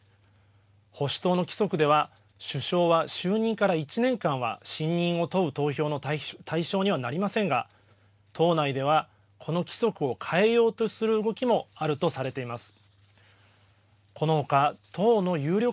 保守党の規則では首相は就任から１年間は信任を問う投票の対象にはなりませんが党内ではこの規則を変えようとする動きもあるとされています。